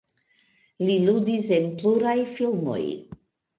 Li ludis en pluraj filmoj.